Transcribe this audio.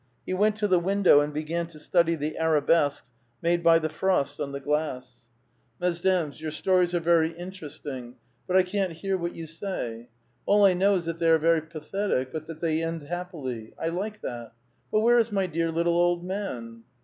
He went to the window and began to study the arabesques made by the frost on the glass. " Mesdames, your stories are very interesting, but I can't hear what you say ; all I know is that they are very pathetic but that they end happilj' ; I like that! But where is my dear little old man